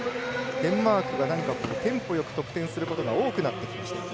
デンマークがテンポよく得点することが多くなってきました。